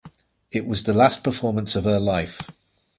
It was the last performance of her life.